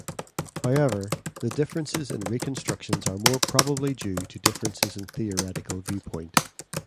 However, the differences in reconstructions are more probably due to differences in theoretical viewpoint.